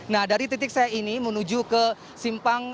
nah dari titik saya ini menuju ke simpang